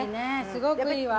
すごくいいわ。